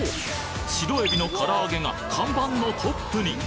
白えびのから揚げが看板のトップに！